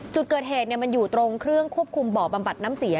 จุดเกิดเหตุมันอยู่ตรงเครื่องควบคุมบ่อบำบัดน้ำเสีย